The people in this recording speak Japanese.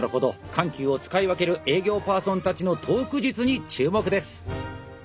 緩急を使い分ける営業パーソンたちのトーク術に注目です。